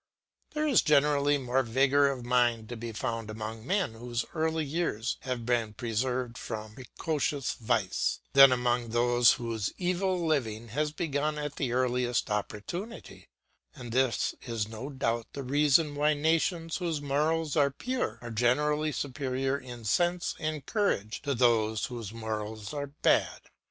There is generally more vigour of mind to be found among men whose early years have been preserved from precocious vice, than among those whose evil living has begun at the earliest opportunity; and this is no doubt the reason why nations whose morals are pure are generally superior in sense and courage to those whose morals are bad.